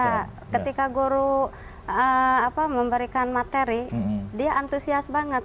nah ketika guru memberikan materi dia antusias banget